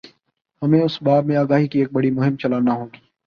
ہمیں اس باب میں آگاہی کی ایک بڑی مہم چلانا ہو گی۔